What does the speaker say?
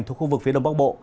thuộc khu vực phía đông bắc bộ